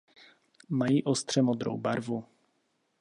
Mají ostře modrou barvu.